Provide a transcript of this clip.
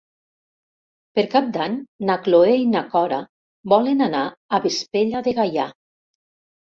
Per Cap d'Any na Cloè i na Cora volen anar a Vespella de Gaià.